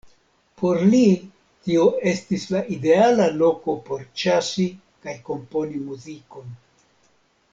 Por li tio estis la ideala loko por ĉasi kaj komponi muzikon.